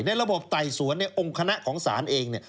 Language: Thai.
ในระบบไต่สวนในองค์คณะของศาลเอง